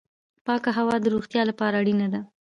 پاکه هوا د روغتیا لپاره اړینه ده